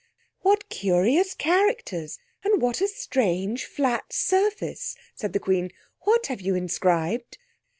"What curious characters, and what a strange flat surface!" said the Queen. "What have you inscribed?"